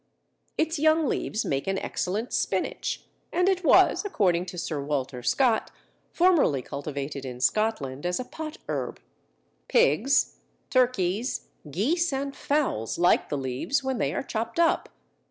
Its young leaves make an excellent spinach, and it was, according to Sir Walter Scott, formerly cultivated in Scotland as a pot herb. Pigs, turkeys, geese, and fowls like the leaves when they are chopped up.